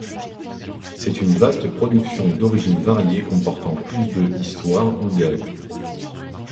C'est une vaste production d'origine variée comportant plus de histoires ou gags.